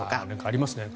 ありますね。